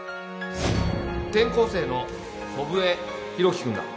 転校生の祖父江広樹君だ